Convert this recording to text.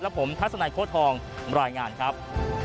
และผมทัศนาโค้ดทองบรายงานครับ